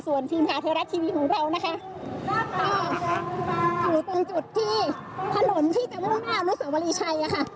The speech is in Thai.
ส่วนทีมข่าวไทยรัฐทีวีของเรานะคะก็อยู่ตรงจุดที่ถนนที่จะมุ่งหน้าอนุสวรีชัยค่ะ